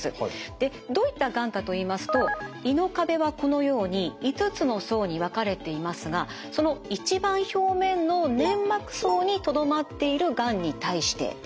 でどういったがんかといいますと胃の壁はこのように５つの層に分かれていますがその一番表面の粘膜層にとどまっているがんに対してです。